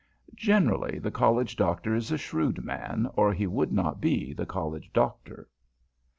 Generally, the College Doctor is a shrewd man, or he would not be the College Doctor.